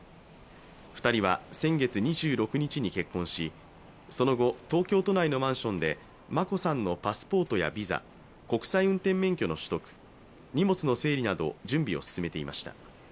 ２人は先月２６日に結婚しその後、東京都内のマンションで眞子さんのパスポートやビザ国際運転免許の取得、荷物の整理など準備を進めていました。